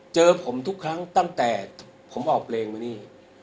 เจอผมทุกครั้งตั้งแต่ผมออกเพลงมานี่